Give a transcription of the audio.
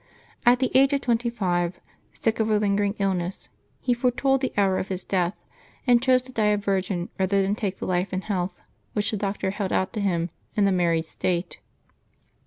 At the age of twenty five, sick of a lingering illness, he foretold the hour of his death, and chose to die a virgin rather than take the life and health which the doctors held out to him in the mar ried state.